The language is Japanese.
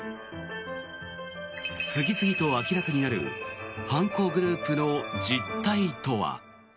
次々と明らかになる犯行グループの実態とは。